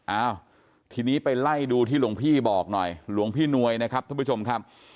อ้าวทีนี้ไปไล่ดูที่หลวงพี่บอกหน่อยหลวงพี่นวยนะครับท่านผู้ชมครับ